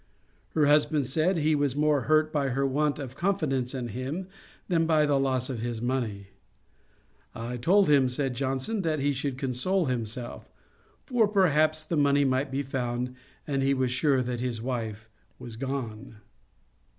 Her husband said, he was more hurt by her want of confidence in him, than by the loss of his money. 'I told him, (said Johnson,) that he should console himself: for perhaps the money might be found, and he was sure that his wife was gone.'